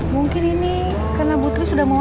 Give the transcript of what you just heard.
mungkin ini karena ibu tri sudah mau